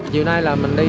chiều nay là mình đi